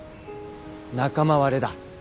仲間割れだ。